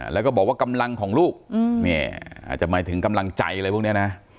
แล้วก็บอกว่ากำลังของลูกอาจจะหมายถึงกำลังใจอะไรพวกนี้นะ